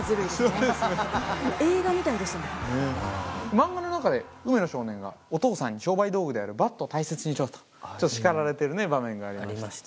漫画の中で梅野少年がお父さんに商売道具であるバットを大切にしろと叱られてる場面がありました。